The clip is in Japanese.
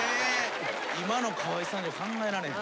今の川合さんじゃ考えられへん。